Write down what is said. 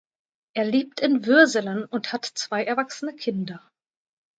Er lebt in Würselen und hat zwei erwachsene Kinder.